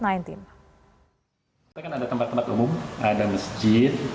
kita kan ada tempat tempat umum ada masjid